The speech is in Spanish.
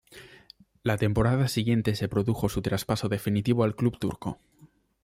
La temporada siguiente se produjo su traspaso definitivo al club turco.